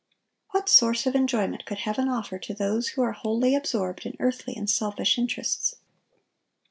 What source of enjoyment could heaven offer to those who are wholly absorbed in earthly and selfish interests?